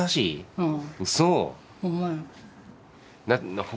うん。